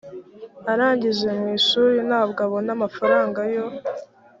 arangije mu ishuri ntabwo abona amafaranga yo